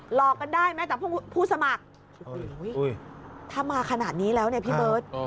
หลอกกันได้แม้แต่ผู้สมัครถ้ามาขนาดนี้แล้วเนี่ยพี่เบิร์ต